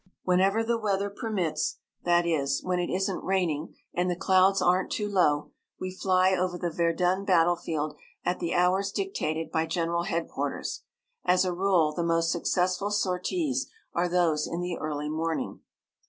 Whenever the weather permits that is, when it isn't raining, and the clouds aren't too low we fly over the Verdun battlefield at the hours dictated by General Headquarters. As a rule the most successful sorties are those in the early morning.